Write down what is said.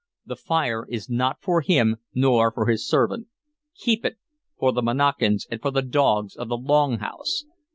The fire is not for him nor for his servant; keep it for the Monacans and for the dogs of the Long House!